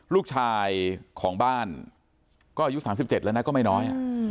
ลูกชายของบ้านก็อายุ๓๗แล้วนะก็ไม่น้อย